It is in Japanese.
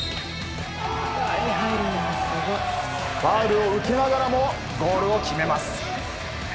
ファウルを受けながらもゴールを決めます。